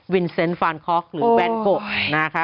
เซนต์ฟานคอกหรือแวนโกะนะคะ